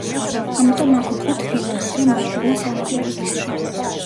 ამიტომ აქ უფრო თბილა, ვიდრე მარჯვენა სანაპირო ზოლში.